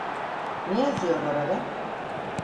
Ne yazıyor orada?